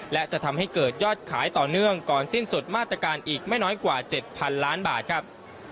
และจะทำให้เกิดยอดขายต่อเนื่องก่อนสิ้นสุดมาตรการอีกไม่น้อยกว่า๗๐๐ล้านบาทครับ